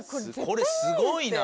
これすごいな。